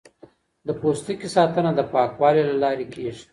د پوستکي ساتنه د پاکوالي له لارې کیږي.